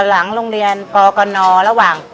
หลังโรงเรียนปกนระหว่าง